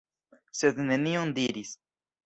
Sed nenion diris.